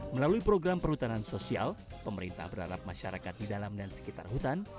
melalui program perhutanan sosial pemerintah berharap masyarakat di dalam dan sekitar hutan